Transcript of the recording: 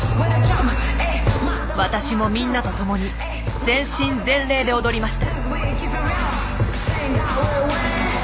私もみんなと共に全身全霊で踊りました。